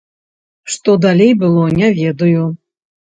Што далей было, не ведаю.